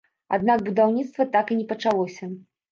Аднак будаўніцтва так і не пачалося.